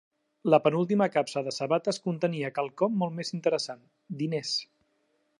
La penúltima capsa de sabates contenia quelcom molt més interessant: diners.